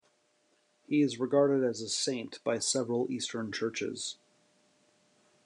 He is regarded as a saint by several Eastern churches.